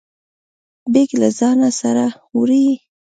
بیګ له ځانه سره وړئ؟